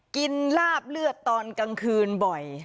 ลาบเลือดตอนกลางคืนบ่อย